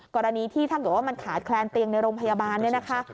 กรณีที่ถ้าเกิดว่ามันขาดแคลนเตียงในโรงพยาบาลเนี่ยนะคะ